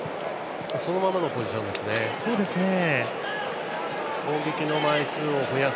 そのままのポジションです。